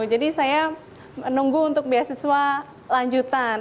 jadi saya menunggu untuk beasiswa lanjutan